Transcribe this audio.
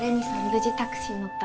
無事タクシー乗った。